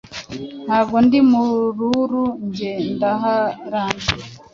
ntago nd’umururu njye ndaharambye